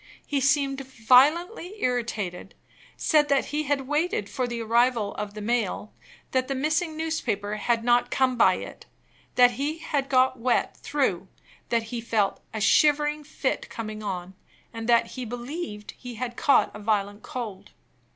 He seemed violently irritated; said that he had waited for the arrival of the mail that the missing newspaper had not come by it that he had got wet through that he felt a shivering fit coming on and that he believed he had caught a violent cold.